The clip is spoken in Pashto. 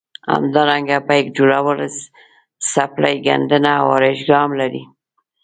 همدارنګه بیک جوړول څپلۍ ګنډنه او ارایشګاه هم لري.